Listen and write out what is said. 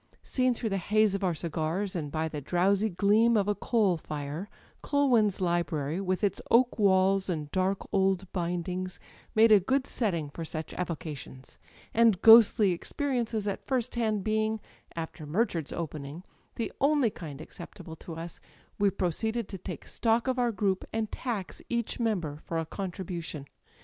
Seen through the haze of our cigars, and by the drowsy gleam of a coal fire, Culwin's library, with its oak walls and dark old bindings, made a good setting for such evocations; and ghostly experiences at first hand being, after Murchard's opening, the only kind acceptable to us, we proceeded to take stock of our group and tax each member for a contribution.